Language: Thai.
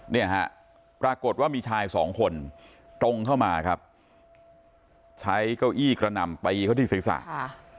เนี่ยฮะปรากฏว่ามีชายสองคนตรงเข้ามาครับใช้เก้าอี้กระหน่ำตีเขาที่ศีรษะค่ะ